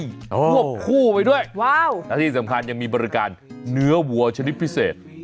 ควบคู่ไปด้วยว้าวและที่สำคัญยังมีบริการเนื้อวัวชนิดพิเศษ